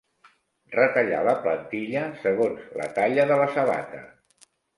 Retallar la plantilla segons la talla de la sabata.